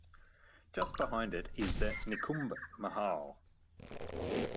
Just behind it is the Nikumbh Mahal.